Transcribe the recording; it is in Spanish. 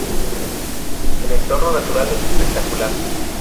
El entorno natural es espectacular.